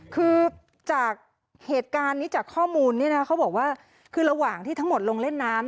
คือจากเหตุการณ์นี้จากข้อมูลต้องลองเล่นน้ำ